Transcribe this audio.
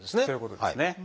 そういうことですね。